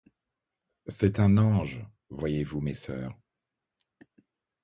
C'est un ange, voyez-vous, mes soeurs.